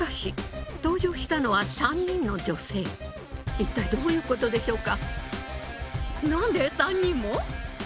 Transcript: いったいどういうことでしょうか？